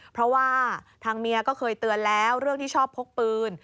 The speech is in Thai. เพราะว่าทางเมียก็เคยเตือนแล้วเรื่องที่ชอบพกปืน